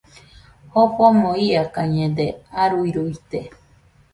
Jofomo iakañede, aruiruite